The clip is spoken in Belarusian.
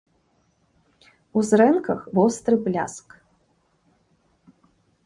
У зрэнках востры бляск.